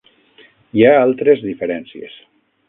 Hi ha altres diferències.